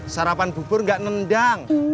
sarapan bubur gak nendang